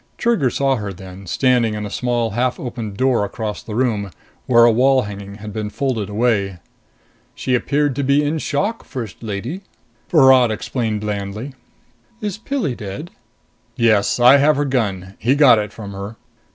Trigger saw her then, standing in a small half opened door across the room, where a wall hanging had been folded away. "She appeared to be in shock, First Lady," Virod explained blandly. "Is Pilli dead?" "Yes. I have her gun. He got it from her."